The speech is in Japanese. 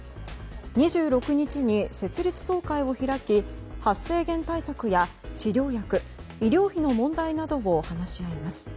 ２６日に設立総会を開き発生源対策や治療薬医療費の問題などを話し合います。